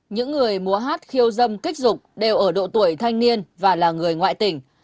những người múa hát khiêu dâm kích dục đều ở độ tuổi thanh niên và là người ngoại tỉnh